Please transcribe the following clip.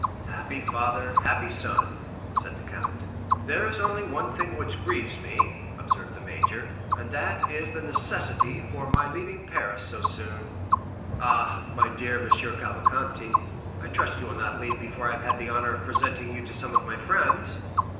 "Happy father, happy son!" said the count. "There is only one thing which grieves me," observed the major, "and that is the necessity for my leaving Paris so soon." "Ah, my dear M. Cavalcanti, I trust you will not leave before I have had the honor of presenting you to some of my friends."